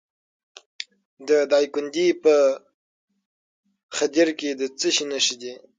د دایکنډي په خدیر کې د څه شي نښې دي؟